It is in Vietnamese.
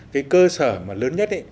cái cơ sở mà lớn nhất